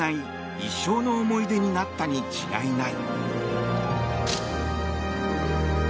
一生の思い出になったに違いない。